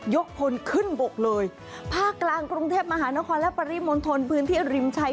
พลขึ้นบกเลยภาคกลางกรุงเทพมหานครและปริมณฑลพื้นที่ริมชัย